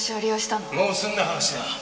もう済んだ話だ。